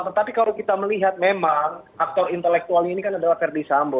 tetapi kalau kita melihat memang aktor intelektualnya ini kan adalah verdi sambo